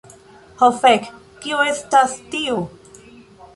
Ho fek, kio estas tio?